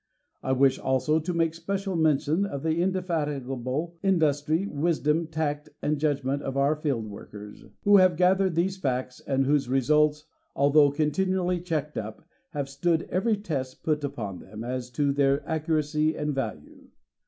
I wish PREFACE XI also to make special mention of the indefatigable in dustry, wisdom, tact, and judgment of our field workers who have gathered these facts and whose results, al though continually checked up, have stood every test put upon them as to their accuracy and value.